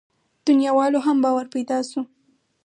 دنياوالو هم باور پيدا شو.